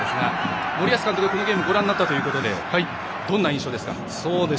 森保監督、このゲームご覧になったということでどんな印象ですか。